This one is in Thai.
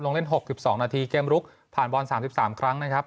ลงเล่น๖๒นาทีเกมลุกผ่านบอล๓๓ครั้งนะครับ